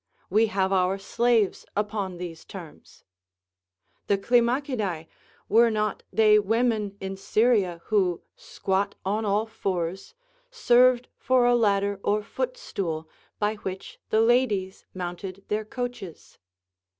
We have our slaves upon these terms: the Climacidæ, were they not women in Syria who, squat on all fours, served for a ladder or footstool, by which the ladies mounted their coaches?